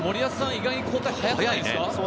意外に交代、早くないですか？